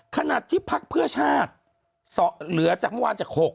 ขณะที่พักเพื่อชาติเหลือจากเมื่อวานจาก๖